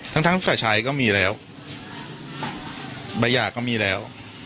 ทั้งสายชายก็มีแล้วบัญญาก็มีแล้ว